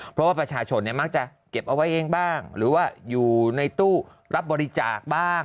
เพราะว่าประชาชนมักจะเก็บเอาไว้เองบ้างหรือว่าอยู่ในตู้รับบริจาคบ้าง